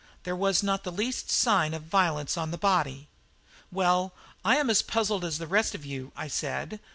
There was not the least sign of violence on the body." "Well, I am as puzzled as the rest of you," I said.